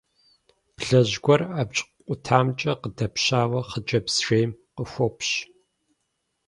Блэжь гуэр абдж къутамкӀэ къыдэпщауэ хъыджэбз жейм къыхуопщ.